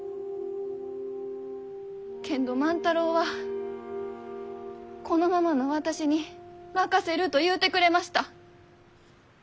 けんど万太郎はこのままの私に任せると言うてくれました。